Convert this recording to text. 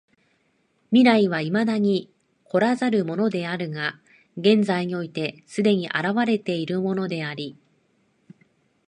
未来は未だ来らざるものであるが現在において既に現れているものであり、